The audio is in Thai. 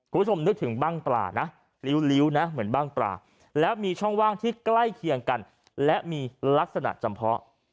คุณผู้ชมนึกถึงบ้างปลานะริ้วนะเหมือนบ้างปลาแล้วมีช่องว่างที่ใกล้เคียงกันและมีลักษณะจำเพาะ